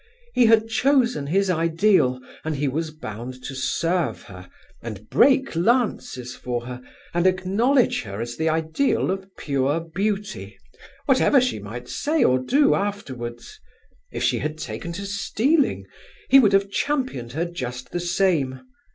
He had chosen his ideal, and he was bound to serve her, and break lances for her, and acknowledge her as the ideal of pure Beauty, whatever she might say or do afterwards. If she had taken to stealing, he would have championed her just the same.